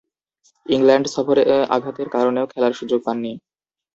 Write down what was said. England সফরে আঘাতের কারণেও খেলার সুযোগ পাননি।